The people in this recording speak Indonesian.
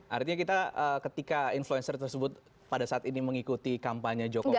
artinya kita ketika influencer tersebut pada saat ini mengikuti kampanye jokowi